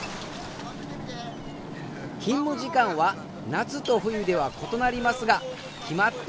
勤務時間は夏と冬では異なりますが決まっています。